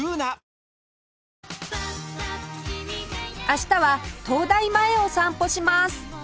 明日は東大前を散歩します